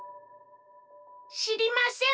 しりません。